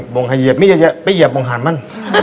บอกไห้เหยียบก็แส่เหยียบโบรกษ์หารมั่น